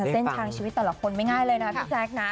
เส้นทางชีวิตแต่ละคนไม่ง่ายเลยนะพี่แจ๊คนะ